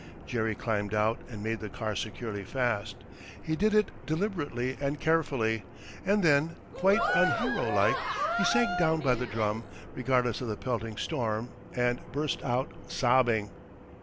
Jerry climbed out and made the car securely fast. He did it deliberately and carefully, and then, quite unhero like, he sank down by the drum, regardless of the pelting storm, and burst out sobbing.